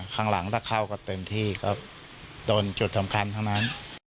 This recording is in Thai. ข้างหลังถ้าเข้าก็เต็มที่ก็โดนจุดสำคัญทั้งนั้น